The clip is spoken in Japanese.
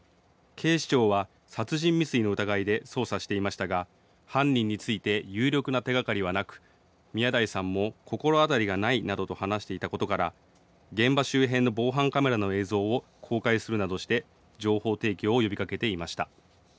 警視庁は殺人未遂の疑いで捜査していましたが犯人について有力な手がかりはなく宮台さんも心当たりがないなどと話していたことから現場周辺の防犯カメラの映像を公開するなどして情報提供を呼びかけていました。